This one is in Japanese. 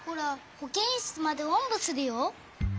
ほけんしつまでおんぶするよ？